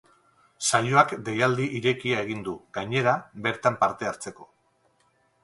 Saioak deialdi irekia egin du, gainera, bertan parte hartzeko.